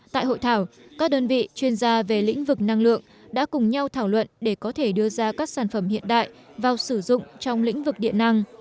tại hội thảo các đơn vị chuyên gia về lĩnh vực năng lượng đã cùng nhau thảo luận để có thể đưa ra các sản phẩm hiện đại vào sử dụng trong lĩnh vực điện năng